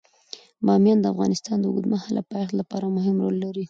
بامیان د افغانستان د اوږدمهاله پایښت لپاره مهم رول لري.